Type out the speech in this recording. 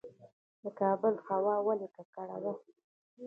د کابل هوا ولې ککړه ده؟